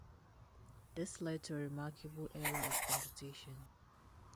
This led to a remarkable era of competition.